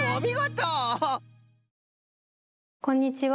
こんにちは。